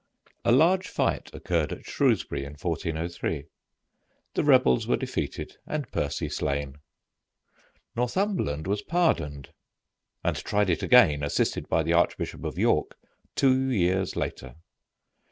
A large fight occurred at Shrewsbury in 1403. The rebels were defeated and Percy slain. Northumberland was pardoned, and tried it again, assisted by the Archbishop of York, two years later.